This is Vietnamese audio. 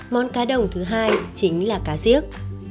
món cá đồng thứ hai chính là cá diếc